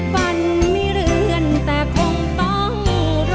ฝันไม่เลื่อนแต่คงต้องรอ